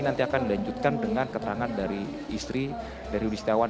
nanti akan dilanjutkan dengan keterangan dari istri dari wistiawan